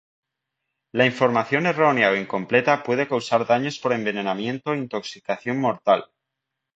La información errónea o incompleta puede causar daños por envenenamiento o intoxicación mortal.